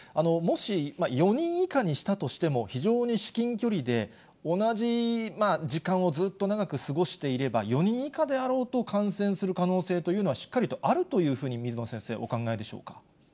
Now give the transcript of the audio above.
もし４人以下にしたとしても、非常に至近距離で、同じ時間をずっと長く過ごしていれば、４人以下であろうと感染する可能性というのは、しっかりとあるというふうに水野先生、お考えでしょうか。